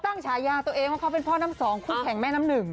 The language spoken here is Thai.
ฉายาตัวเองว่าเขาเป็นพ่อน้ำสองคู่แข่งแม่น้ำหนึ่ง